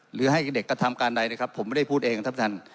หรือให้เด็กกระทำการใดนะครับผมไม่ได้พูดเองครับท่าน